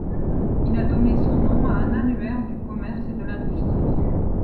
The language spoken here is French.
Il a donné son nom à un annuaire du commerce et de l'industrie.